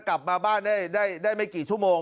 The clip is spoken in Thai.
กลับมาบ้านได้ไม่กี่ชั่วโมง